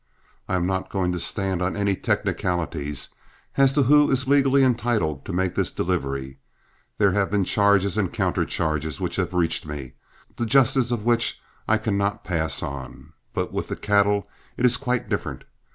I am not going to stand on any technicalities as to who is legally entitled to make this delivery; there have been charges and counter charges which have reached me, the justice of which I cannot pass on, but with the cattle it is quite different.